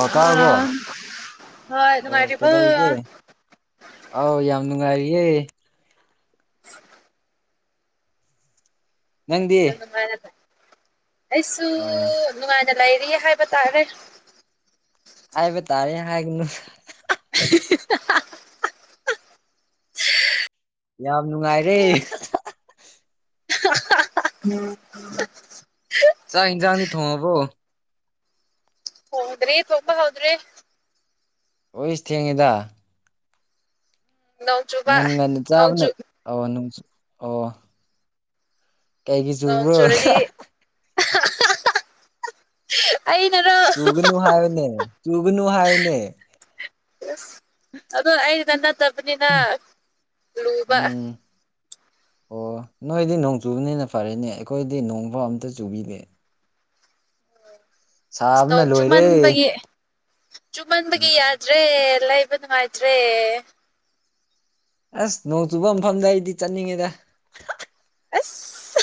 ꯑ ꯇꯥ ꯍꯕꯣ ꯑꯥ ꯍꯣꯏ ꯑꯣ ꯅꯨꯡꯉꯥꯏꯔꯤꯕꯣ ꯀꯩꯗꯎ ꯀꯦ ꯌꯥꯝ ꯑꯥꯎ ꯌꯥꯝ ꯅꯨꯡꯉꯥꯏꯔꯤꯌꯦ ꯅꯪꯗꯤ [unintelligible] ꯑꯩꯁꯨ ꯑꯣ ꯅꯨꯡꯉꯥꯏꯅ ꯂꯩꯔꯤ ꯍꯥꯏꯕ ꯇꯥꯔꯦ ꯍꯥꯏꯕ ꯇꯥꯔꯦ ꯍꯥꯏꯒꯅꯨꯗ [unintelligible] ꯌꯥꯝ ꯅꯨꯡꯉꯥꯏꯔꯦ [unintelligible] ꯆꯥꯛꯏꯡꯖꯥꯡꯗꯤ ꯊꯣꯡꯑꯕꯣ ꯊ‌ꯣꯡꯗ꯭ꯔꯤ ꯊꯣꯡꯕ ꯍꯧꯗ꯭ꯔꯤ ꯑꯣꯏꯁ ꯊꯦꯡꯉ‌ꯦꯗ ꯅꯣꯡ ꯆꯨꯕ ꯉꯟ ꯉꯟ ꯅꯣꯡ ꯆꯥꯕꯅꯦ ꯆꯨ ꯑꯧ ꯅꯨꯡꯁꯨ ꯑꯣ ꯀꯩꯒꯤ ꯆꯨꯕ꯭ꯔꯣ [unintelligible] ꯑꯩꯅ ꯆꯨꯒꯅꯨ ꯍꯥꯏꯌꯅꯦ ꯆꯨꯒꯅꯨ ꯍꯥꯏꯌꯨꯅꯦ ꯑꯁ ꯑꯗꯣ ꯑꯩꯗ ꯅꯠꯇꯕꯅꯤꯅ ꯂꯨꯕ ꯎꯝ [inaudible] ꯑꯣ ꯅꯣꯏꯗꯤ ꯅꯣꯡ ꯆꯨꯕꯅꯤꯅ ꯐꯔꯦꯅꯦ ꯑꯩꯈꯣꯏꯗꯤ ꯅꯣꯡꯐꯥꯎ ꯑꯝꯇ ꯆꯨꯕꯤꯔꯦ ꯅꯣꯡ ꯂꯣꯏꯔꯦ ꯆꯨꯝꯃꯟꯕꯒꯤ ꯆꯨꯝꯃꯟꯕꯒꯤ ꯎꯝ ꯌꯥꯗ꯭ꯔꯦ ꯂꯩꯕ ꯅꯨꯡꯉꯥꯏꯇ꯭ꯔꯦ ꯑꯁ ꯅꯣꯡ ꯆꯨꯕ ꯃꯐꯝꯗ ꯑꯩꯗꯤ ꯆꯠꯅꯤꯡꯉꯤꯗ ꯑꯁ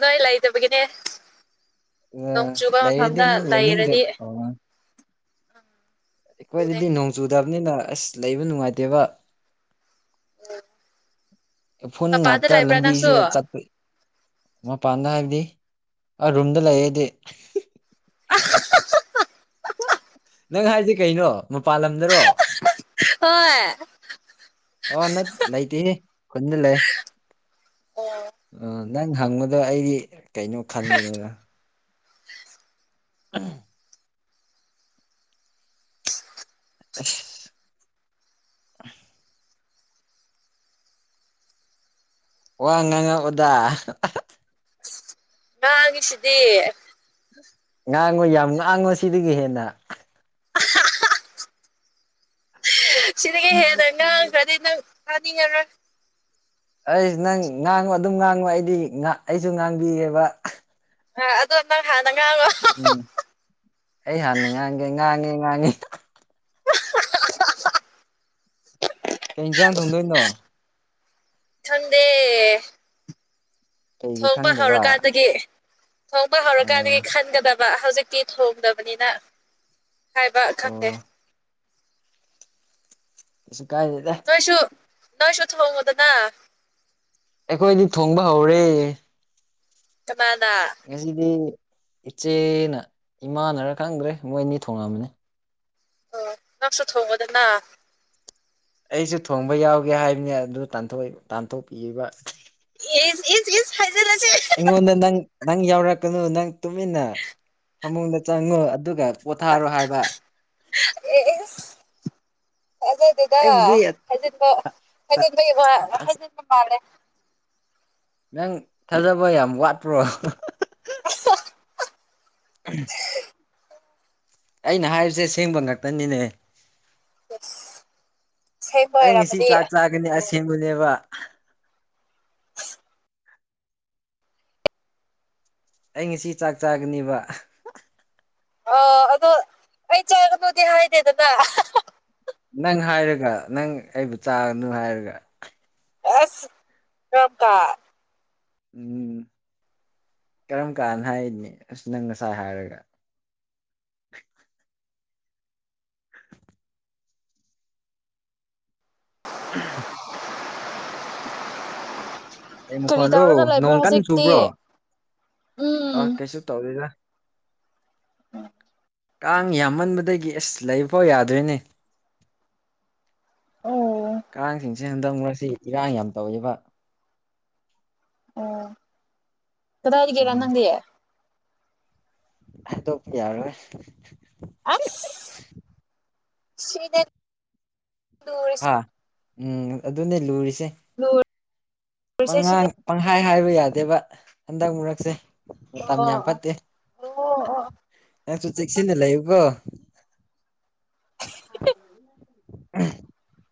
ꯅꯣꯏ ꯂꯩꯇꯕꯒꯤꯅꯦ ꯅꯣꯡ ꯆꯨꯕ ꯂꯩꯔꯗꯤ ꯃꯐꯝꯗ ꯑꯃꯨꯛ ꯂꯩꯅꯤꯡꯗ꯭ꯔꯦ ꯂꯩꯔꯗꯤ ꯑꯣ ꯑꯗꯨꯅꯦ ꯑꯩꯈꯣꯏꯗꯗꯤ ꯅꯣꯡ ꯆꯨꯗꯕꯅꯤꯅ ꯑꯁ ꯂꯩꯕ ꯅꯨꯡꯉꯥꯏꯇꯦꯕ ꯎꯐꯨꯟ ꯃꯄꯥꯟꯗ ꯉꯥꯛꯇ ꯂꯩꯕ꯭ꯔꯥ ꯅꯪꯁꯨ ꯂꯝꯕꯤꯁꯨ ꯆꯠꯄ ꯃꯄꯥꯟꯗ ꯍꯥꯏꯕꯗꯤ ꯑ ꯔꯨꯝꯗ ꯂꯩꯌꯦꯗꯤ ꯅꯪ ꯍꯥꯏꯗꯤ ꯀꯩꯅꯣ ꯃꯄꯥꯜ ꯂꯝꯗꯔꯣ ꯍꯣꯏ ꯑꯥ ꯅ ꯂꯩꯇꯦ ꯈꯨꯟꯗ ꯂꯩ ꯑꯣ ꯑ ꯅꯪ ꯍꯪꯕꯗꯣ ꯑꯩꯗꯤ ꯀꯩꯅꯣ ꯈꯟꯕꯅꯤꯅ [unintelligible] [inaudible] ꯋꯥ ꯉꯥꯡꯉ ꯑꯣꯗ ꯉꯥꯡꯉꯤꯁꯤꯗꯦ ꯉꯥꯡꯉꯣꯏ ꯌꯥꯝ ꯉꯥꯡꯉꯣ ꯁꯤꯗꯒꯤ ꯍꯦꯟꯅ [inaudible] ꯁꯤꯗꯒꯤ ꯍꯦꯟꯅ ꯉꯥꯡꯈ꯭ꯔꯗꯤ ꯅꯪ ꯐꯥꯅꯤꯡꯉ꯭ꯔ ꯑꯩꯁ ꯅꯪ ꯉꯥꯡꯉꯨ ꯑꯗꯨꯝ ꯉꯥꯡꯉꯨ ꯑꯩꯗꯤ ꯑꯩꯁꯨ ꯉꯥꯡꯕꯤꯌꯦꯦꯕ ꯑ ꯑꯗꯨꯪ ꯅꯪ ꯎꯝ ꯑꯩ ꯍꯥꯟꯅ ꯉꯥꯡꯒꯦ ꯉꯥꯡꯉꯦ ꯉꯥꯡꯉꯦ ꯀꯩ ꯏꯟꯁꯥꯡ ꯊꯣꯡꯗꯣꯏꯅꯣ ꯊꯟꯗꯦ ꯀꯩꯒꯤ ꯊꯣꯛꯣꯡꯄ ꯈꯪꯗꯕ ꯍꯧꯔꯀꯥꯟꯗꯒꯤ ꯊꯣꯡꯕ ꯑꯥ ꯍꯧꯔꯀꯥꯟꯗꯒꯤ ꯈꯟꯒꯗꯕ ꯍꯧꯖꯤꯛꯇꯤ ꯊꯣꯡꯗꯕꯅꯤꯅ ꯍꯥꯏꯕ ꯑꯣ ꯈꯪꯗꯦ ꯀꯩꯁꯨ ꯀꯥꯏꯗꯦꯗ ꯁꯨꯊꯕꯉꯗꯅ ꯑꯩꯈꯣꯏꯗꯤ ꯊꯣꯡꯕ ꯍꯧꯔꯦ ꯀꯅꯥꯅ ꯉꯁꯤꯗꯤ ꯏꯆꯦꯅ ꯏꯃꯥꯅꯔ ꯈꯪꯗ꯭ꯔꯦ ꯃꯣꯏ ꯑꯅꯤ ꯊꯣꯡꯉꯝꯕꯅꯤ ꯑꯣ ꯉꯥꯛꯁꯨ ꯊꯣꯡꯧꯕꯗꯅ ꯑꯩꯁꯨ ꯊꯣꯡꯕ ꯌꯥꯎꯒꯦ ꯍꯥꯏꯕꯅꯤ ꯑꯗꯨ ꯇꯥꯟꯊꯣꯛꯄꯤꯔꯤꯕ ꯍꯥꯏ ꯑꯩꯉꯣꯟꯗ ꯅꯪ ꯅꯪ ꯌꯥꯎꯔꯛꯀꯅꯨ ꯅꯪ ꯇꯨꯃꯤꯟꯅ ꯐꯃꯨꯡꯗ ꯆꯪꯉꯨ ꯑꯗꯨꯒ ꯄꯣꯊꯥꯔꯣ ꯍꯥꯏꯕ ꯑꯗꯨ ꯑꯗꯨꯗ ꯑꯩꯕꯨꯗꯤ ꯍꯩꯖꯤꯟꯕ ꯈꯖꯤꯟꯕꯒꯤ ꯋꯥ ꯑꯁ ꯍꯩꯖꯤꯟꯕ ꯃꯥꯜꯂꯦ ꯅꯪ ꯊꯥꯖꯕ ꯌꯥꯝ ꯋꯥꯠꯄ꯭ꯔꯣ ꯎ ꯑꯩꯅ ꯍꯥꯏꯔꯤꯁꯦ ꯁꯦꯡꯕ ꯉꯥꯛꯇꯅꯤꯅꯦ ꯑꯁꯦꯡꯕ ꯑꯩ ꯉꯁꯤ ꯑꯣꯏꯔꯝꯃꯗꯤ ꯆꯥꯛ ꯆꯥꯒꯅꯤ ꯑꯁꯦꯡꯕꯅꯦꯕ ꯑꯩ ꯉꯁꯤ ꯆꯥꯛ ꯆꯥꯒꯅꯦꯕ ꯑ ꯑꯗꯣ ꯑꯩ ꯆꯥꯒꯗꯨꯗꯤ ꯍꯥꯏꯗꯦꯗꯗꯥ ꯅꯪ ꯍꯥꯏꯔꯒ ꯅꯪ ꯑꯩꯕꯨ ꯆꯥꯒꯅꯨ ꯍꯥꯏꯔꯒ ꯑꯁ ꯀꯝ ꯀꯥ ꯎꯝ ꯀꯔꯝ ꯀꯥꯟꯅ ꯍꯥꯏꯅꯤ ꯑꯁ ꯅꯪ ꯉꯁꯥꯏ ꯍꯥꯏꯔꯒ [inaudible] [inaudible] ꯑꯩ ꯀꯔꯤ ꯃꯈꯣꯟꯔꯣ ꯇꯧꯔꯒ ꯂꯩꯕ꯭ꯔꯣ ꯅꯣꯡ ꯀꯟꯅ ꯆꯨꯕ꯭ꯔꯣ ꯍꯧꯖꯤꯛꯇꯤ ꯑ ꯎꯝ ꯀꯩꯁꯨ ꯇꯧꯗꯣꯏꯗ ꯎꯝ ꯀꯥꯡ ꯌꯥꯝꯃꯟꯕꯗꯒꯤ ꯑꯦꯁ ꯂꯩꯐꯥꯎ ꯌꯥꯗꯣꯏꯅꯦ ꯑꯣ ꯀꯥꯡꯁꯤꯡꯁꯦ ꯍꯟꯗꯛ ꯃꯔꯁꯤ ꯏꯔꯥꯡ ꯌꯥꯝ ꯇꯧꯔꯤꯕ ꯑꯣ ꯀꯗꯥ ꯍꯥꯏ ꯀꯦꯔ ꯎꯝ ꯅꯉꯌꯦꯦ ꯍꯥꯏꯗꯣꯛꯄ ꯌꯥꯔꯣꯏ ꯁꯗ ꯍꯥ ꯎꯝ ꯑꯗꯨꯟꯅ ꯂꯨꯔꯤꯁꯦ ꯍ ꯄꯍ ꯄꯪꯍꯥꯏ ꯍꯥꯏꯕ ꯌꯥꯗꯦꯕ ꯍꯟꯗꯛ ꯃꯔꯨꯔꯛꯁꯦ ꯝ ꯌꯥ ꯑꯣ ꯑꯣ ꯐꯠꯇꯦ ꯑꯣ ꯍꯣ ꯅꯪꯁꯨ ꯆꯦꯛꯁꯤꯟꯅ ꯂꯩꯌꯨꯀꯣ [unintelligible]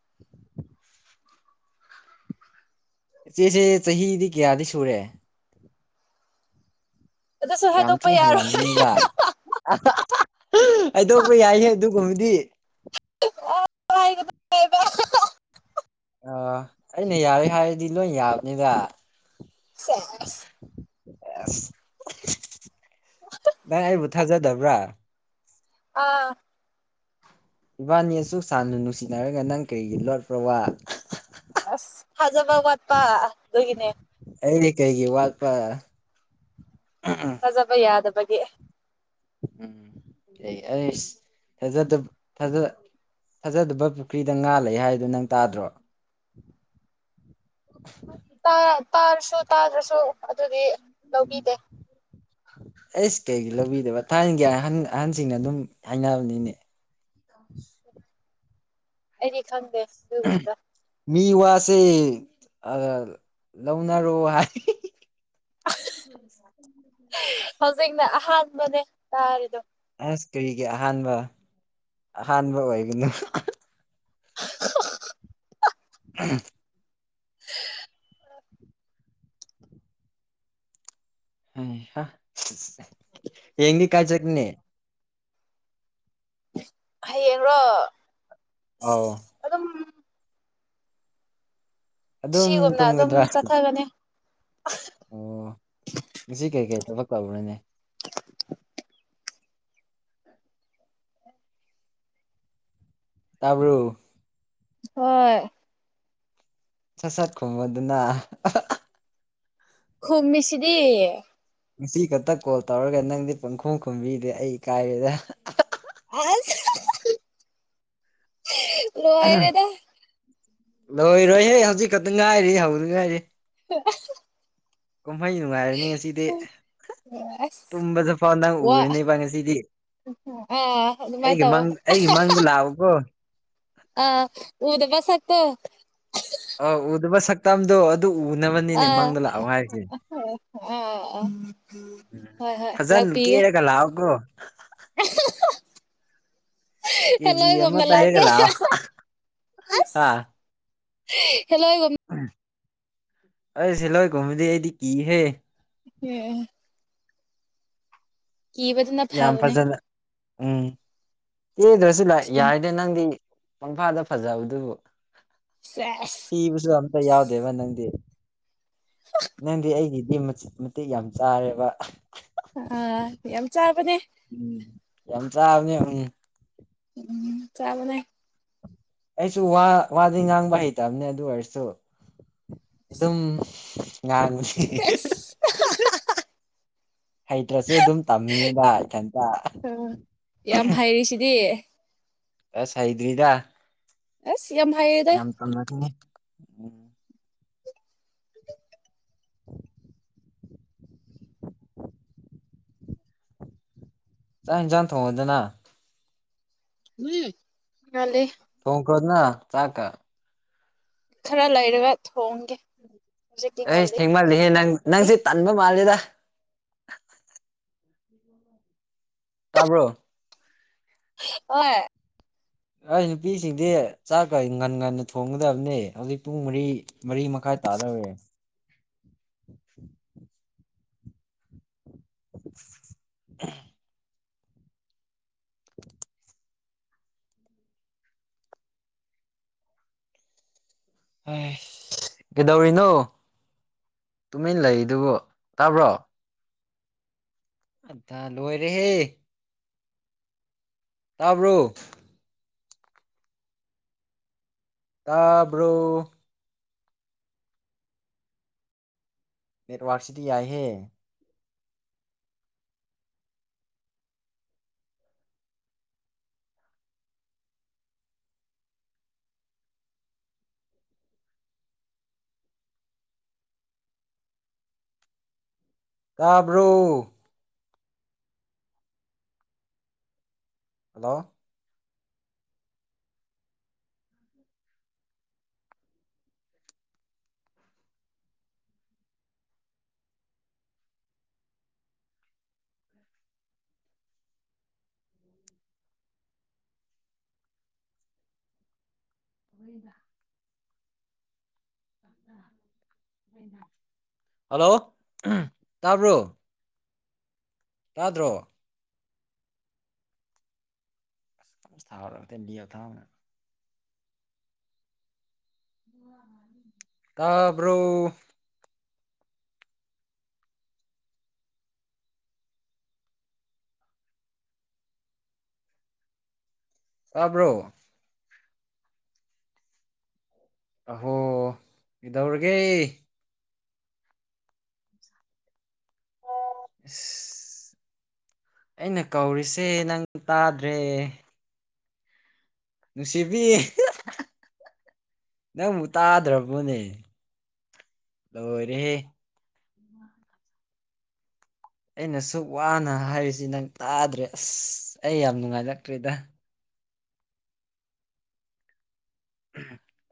ꯏꯆꯦꯆꯦ ꯆꯍꯤꯗꯤ ꯀꯌꯥꯗꯤ ꯁꯨꯔꯦ ꯑꯗꯨꯁꯨ ꯌꯥꯝ ꯊꯤ ꯍꯥꯏꯗꯣꯛꯄ ꯌꯥꯔꯣꯏ ꯍꯜꯂꯝꯕꯅꯤꯗ ꯍꯥꯏꯩꯗꯣꯛꯄ ꯌꯥꯏꯍ ꯑꯗꯨꯒꯨꯝꯕꯗꯤ ꯑꯅꯨꯡꯕ ꯑ ꯑꯩꯅ ꯌꯥꯔꯦ ꯍꯥꯏꯔꯗꯤ ꯂꯣꯏ ꯌꯥꯕꯅꯤꯗ ꯁꯦꯁ ꯁ ꯅꯪ ꯑꯩꯕꯨ ꯊꯥꯖꯗꯕ꯭ꯔꯥ ꯑꯥ ꯏꯕꯥꯅꯤ ꯑꯁꯨꯛ ꯁꯥꯟꯅ ꯅꯨꯡꯁꯤꯅꯔꯒ ꯅꯪ ꯀꯔꯤꯒꯤ ꯂꯣꯠꯄ꯭ꯔꯣ ꯋꯥ ꯑꯁ ꯊꯥꯖꯕ ꯋꯥꯠꯄ ꯑꯗꯨꯒꯤꯅꯦ ꯑꯩꯗꯤ ꯀꯩꯒꯤ ꯋꯥꯠꯄ ꯐꯖꯕ ꯌꯥꯗꯕꯒꯤ ꯎꯝ ꯑꯩꯥꯖꯕ ꯊꯥꯖ ꯐꯖꯗꯕ ꯄꯨꯈ꯭ꯔꯤꯗ ꯉꯥꯂ ꯍꯥꯏꯗꯣ ꯅꯪ ꯇꯥꯗ꯭ꯔꯣ [unintelligible] ꯇꯥꯔꯁꯨ ꯇꯥꯗ꯭ꯔꯁꯨ ꯑꯗꯨꯗꯤ ꯂꯧꯕꯤꯗꯦ ꯑꯩꯁ ꯀꯩꯒꯤ ꯂꯧꯕꯤꯗꯕ ꯊꯥꯏꯅꯒꯤ ꯑꯍꯟꯁꯤꯡꯅ ꯑꯗꯨꯝ ꯍꯥꯏꯅꯕꯅꯤꯅꯦ ꯑ ꯑꯩꯗꯤ ꯈꯪꯗꯦ ꯃꯟꯇ ꯃꯤ ꯋꯥꯁꯦ ꯂꯧꯅꯔꯣ ꯍꯥꯏ ꯃ ꯍꯧꯖꯤꯛꯅ ꯑꯍꯥꯟꯕꯅꯦ ꯇꯥꯔꯤꯗꯣ ꯑꯁ ꯀꯔꯤꯒꯤ ꯑꯍꯥꯟꯕ ꯑꯍꯥꯟꯕ ꯑꯣꯏꯕꯅꯣ ꯎ ꯑ ꯌꯦꯡꯗꯤ ꯀꯥꯏ ꯆꯀꯅꯤ ꯍꯌꯦꯡꯔꯣ ꯑꯧ ꯑꯗꯨꯝ ꯑꯗꯨꯝ ꯁꯤꯒꯨꯝꯅ ꯑꯗꯨꯝ ꯇꯨꯝꯒꯗ꯭ꯔꯥ ꯆꯠꯊꯒꯅꯤ ꯕꯅꯦꯅꯦ ꯇꯥꯕ꯭ꯔꯨ ꯍꯣꯏ ꯁꯠ ꯁꯠꯀꯨꯝꯕꯗꯨꯅ ꯈꯕ ꯃꯤꯁꯤꯗꯤ ꯉꯁꯤ ꯈꯛꯇ ꯀꯣꯜ ꯇꯧꯔꯒ ꯅꯪꯗꯤ ꯄꯪꯈꯣꯡ ꯈꯣꯨꯝꯕꯤꯗꯦ ꯑꯩ ꯏ ꯀꯥꯏꯔꯦꯗ ꯑ ꯂꯣ ꯍꯥꯏꯗꯗ ꯂꯣꯏꯔꯣꯏꯍꯦ ꯍꯧꯖꯤꯛ ꯈꯛꯇ ꯉꯥꯏꯔꯤ ꯍꯧꯗꯤ ꯉꯥꯏꯔꯤ [unintelligible] ꯀꯨꯝꯍꯩ ꯅꯨꯡꯉꯥꯏꯔꯅꯤ ꯉꯁꯤꯗꯤ ꯑꯁ ꯇꯨꯝꯕꯗ ꯐꯥꯎ ꯅꯪ ꯋꯥ ꯎꯔꯅꯦꯕ ꯉꯁꯤꯗꯤ ꯑꯥ ꯑꯗꯨꯃꯥꯏ ꯑꯩꯒꯤ ꯇꯋꯣ ꯃꯪ ꯑ ꯑꯩꯒꯤ ꯍꯥ ꯃꯪꯗ ꯂꯥꯛꯎꯀꯣ ꯍꯥ ꯑ ꯎꯗꯕꯁꯠꯇꯣ ꯑ‌ꯣ ꯎꯗꯕ ꯁꯛꯇꯝ ꯗꯣ ꯑꯥ ꯑꯥ ꯑꯥ ꯍꯣꯏ ꯍꯣꯏ꯫ ꯀꯦꯔꯥꯒ ꯂꯥꯛꯑꯣꯀꯣ ꯑꯍꯥꯍꯥ... ꯀꯦꯖꯤ ꯍ‌ꯦꯜꯂꯣꯏ ꯑꯃ ꯒꯨꯝꯅ ꯂꯥꯛꯀꯦ ꯇꯩꯔꯒ ꯂꯥꯛꯑꯣ ꯍꯥꯍꯥ ꯍꯥ ꯑꯁ꯫ ꯍꯦꯜꯂꯣꯏꯒꯨꯝ꯫ ꯑꯩꯁ ꯍꯦꯂꯣꯏ ꯒꯨꯝꯕꯗꯤ ꯑꯩꯗꯤ ꯀꯤ ꯍꯦ꯫ ꯌꯦꯍꯦ꯫ ꯀꯤꯕꯗꯨꯅ ꯌꯥꯝ ꯐꯕꯅꯦ ꯐꯖꯅ ꯎꯝ ꯀꯦꯗ꯭ꯔꯁꯨ ꯂꯥꯏ. ꯏꯁ ꯎꯝ ꯌꯥꯏꯗ ꯅꯪꯗꯤ ꯄꯪꯐꯥꯗ ꯐꯖꯕꯗꯨꯕꯨ꯫ ꯁꯦꯁ ꯊꯤꯕꯁꯨ ꯑꯝꯇ ꯌꯥꯎꯗꯦꯕ ꯅꯪꯗꯤ꯫ ꯅꯪꯗꯤ ꯑꯩꯒꯤꯗꯤ ꯃꯆꯤꯠ ꯃꯇꯤꯛ ꯌꯥꯝ ꯆꯥꯔꯦꯕ ꯍꯥ꯫ ꯑꯥ ꯌꯥꯝ ꯆꯥꯕꯅꯦ ꯎꯝ ꯌꯥꯝ ꯆꯥꯕꯅꯤ ꯎꯝ꯫ ꯎꯝ ꯆꯥꯕꯅꯦ꯫ ꯑꯩꯁꯨ ꯋꯥ ꯋꯥꯗꯤ ꯉꯥꯡꯕ ꯍꯩꯇꯝꯅꯦ ꯑꯗꯨ ꯑꯣꯏꯔꯁꯨ꯫ ꯑꯗꯨꯝ ꯉꯥꯡꯕꯅꯤ ꯍꯤꯍꯤꯍ‌ꯦꯍꯦ꯫ ꯁꯦꯁ ꯍꯩꯇ꯭ꯔꯁꯨ ꯑꯗꯨꯝ ꯇꯝꯃꯤꯅꯤꯗ ꯏꯊꯟꯇ꯫ ꯑꯥ ꯌꯥꯝ ꯍꯩꯔꯤꯁꯤꯗꯤ꯫ ꯑꯁ ꯍꯩꯗ꯭ꯔꯤꯗ꯫ ꯑꯁ꯫ ꯌꯥꯝ ꯍꯩꯔꯦꯗ ꯌꯥꯝ ꯇꯝꯃꯛꯈꯤꯒ‌ꯦ ꯎꯝ ꯆꯥꯛ ꯍꯦꯟꯖꯥꯡ ꯊꯣꯡꯉꯣꯗꯅ꯫ ꯂꯨꯏ... ꯉꯜꯂꯤ ꯀ‌ꯣꯅ‌ꯦ ꯆꯥꯛꯀ꯫ ꯈꯔ ꯂꯩꯔꯒ ꯊꯣꯡꯒꯦ꯫ ꯍꯧꯖꯤꯛꯇꯤ ꯑꯩꯁ ꯉꯜꯂꯤ ꯊꯦꯡꯃꯜꯂꯤꯍꯦ ꯅꯪ ꯅꯪꯁꯦ ꯇꯟꯕ ꯃꯥꯜꯂꯦꯗ꯫ ꯇꯥꯕ꯭ꯔꯣ꯫ ꯍ‌ꯣꯏ꯫ ꯑꯩ ꯅꯨꯄꯤꯁꯤꯡꯗꯤ ꯆꯥꯛ ꯉꯟ ꯉꯟꯅ ꯊꯣꯡꯒꯗꯕꯅꯦ ꯍꯧꯖꯤꯛ ꯄꯨꯡ ꯃꯔꯤ꯫ ꯃꯔꯤ ꯃꯈꯥꯏ ꯇꯥꯗꯧꯔꯦ꯫ ꯑꯝꯍ! ! ꯍꯩꯁ.. ꯀꯩꯗꯧꯔꯤꯅꯣ꯫ ꯇꯨꯃꯤꯟ ꯂꯩꯔꯤꯗꯨꯕꯨ ꯇꯥꯕ꯭ꯔꯣ꯫ ꯑꯗ ꯂꯣꯏꯔꯦꯍꯦ꯫ ꯇꯥꯕ꯭ꯔꯣ꯫ ꯇꯥꯕ꯭ꯔꯣ... ꯫ ꯅꯦꯠꯋꯥꯔꯛ ꯁꯤꯗꯤ ꯌꯥꯏꯍꯦ꯫ ꯇꯥꯕ꯭ꯔꯣ꯫ ꯍ‌ꯦꯜꯂꯣ [inaudible] ꯅ‌ꯣꯏꯗ [unintelligible] ꯍꯜꯂꯣ ꯇꯥꯕ꯭ꯔꯣ ꯇꯥꯗ꯭ꯔꯣ꯫ [inaudible] ꯇꯥꯕ꯭ꯔꯣ... ꯫ ꯇꯥꯕ꯭ꯔꯣ꯫ ꯑꯍꯣ ꯀꯩꯗꯧꯔꯥꯒꯦ [inaudible] ꯑꯩꯅ ꯀꯧꯔꯤꯁꯦ ꯅꯪ ꯇꯥꯗ꯭ꯔꯦ ꯅꯨꯡꯁꯤꯕꯤ ꯅꯪꯕꯨ ꯇꯥꯗ꯭ꯔꯕꯣꯅꯦ ꯂꯣꯏꯔꯦꯍꯦ ꯑꯩꯅ ꯁꯁꯨ ꯋꯥꯅ ꯍꯥꯏꯔꯤꯁꯤ ꯅꯪ ꯇꯥꯗ꯭ꯔꯦ ꯑꯁ ꯑꯩ ꯌꯥꯝ ꯅꯨꯡꯉꯥꯏꯔꯛꯇ꯭ꯔꯦꯗ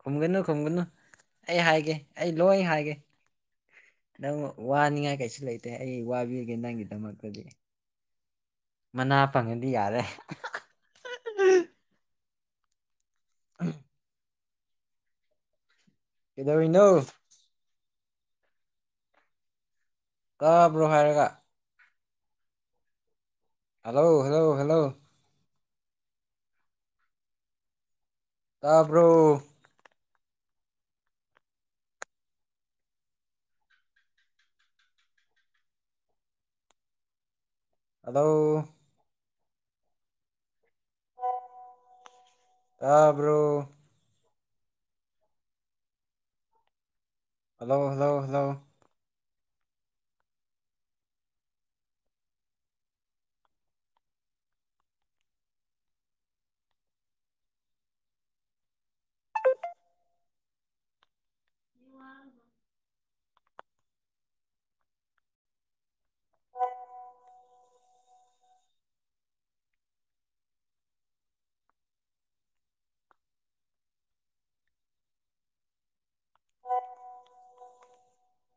ꯈꯨꯝꯒꯅꯨ ꯈꯨꯝꯒꯅꯨ ꯑꯩ ꯍꯥꯏꯒꯦ ꯑꯩ ꯂꯣꯏ ꯍꯥꯏꯒꯦ ꯅꯪ ꯋꯥꯅꯤꯡꯉꯥꯏ ꯀꯩꯁꯨ ꯂꯩꯇꯦ ꯑꯩ ꯋꯥꯕꯤꯒꯦ ꯅꯪꯒꯤꯗꯃꯛꯇꯗꯤ ꯃꯅꯥ ꯐꯪꯉꯗꯤ ꯌꯥꯔꯦ [unintelligible] [inaudible] ꯏꯗ ꯩꯅꯣ ꯀꯥꯕ꯭ꯔꯣ ꯍꯥꯏꯔꯒ ꯍꯜꯂꯣ ꯍꯜꯂꯣ ꯍꯜꯂꯣ ꯇꯥꯕ꯭ꯔꯨ ꯑꯗꯣ ꯇꯔꯕ꯭ꯔꯣ ꯍꯜꯂꯣ ꯍꯜꯂꯣ ꯍꯜꯂꯣ ꯑ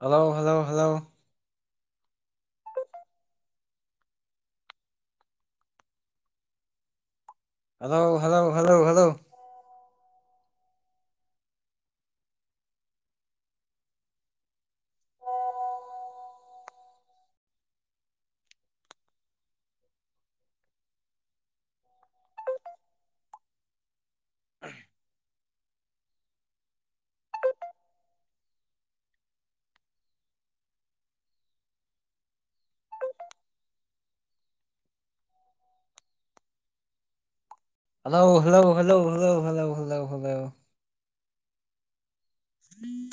hello hello hello hello hello hello hello hello hello hello hello hello hello hello ꯎꯝ